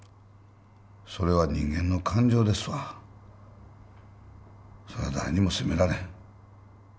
それは人間の感情ですわそれは誰にも責められへん